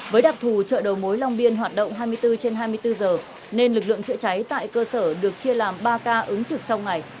với đặc thù chợ đầu mối long biên hoạt động hai mươi bốn trên hai mươi bốn giờ nên lực lượng chữa cháy tại cơ sở được chia làm ba k ứng trực trong ngày